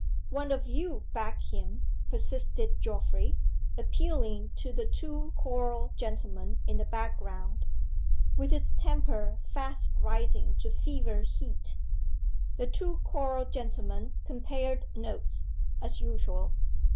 "One of you back him!" persisted Geoffrey, appealing to the two choral gentlemen in the back ground, with his temper fast rising to fever heat. The two choral gentlemen compared notes, as usual.